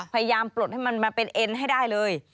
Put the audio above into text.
ปลดให้มันมาเป็นเอ็นให้ได้เลย